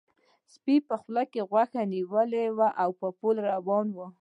سپي په خوله کې غوښه نیولې وه او په پل روان و.